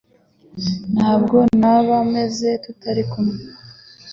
Ntabwo naba meze tutari kumwe